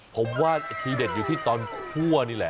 ผมว่าทีเด็ดอยู่ที่ตอนคั่วนี่แหละ